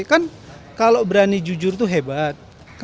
kan kalau berani jujur itu hebat